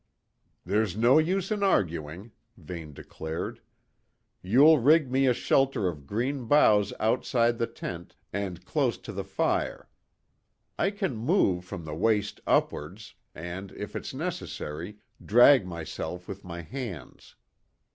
"There's no use in arguing," Vane declared. "You'll rig me a shelter of green boughs outside the tent and close to the fire. I can move from the waist upwards, and if it's necessary, drag myself with my hands.